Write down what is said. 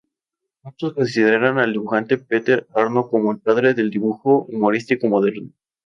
Muchos consideran al dibujante Peter Arno como el padre del dibujo humorístico moderno.